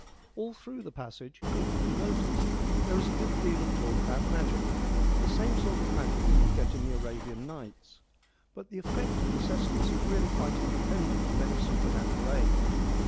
All through the passage it will be noticed there is THE IONIANS AND HESIOD 23 a good deal of talk about magic, the same sort of magic as we get in the Arabian Nights, but the effect of the cestus is really quite independent of any super natural aid.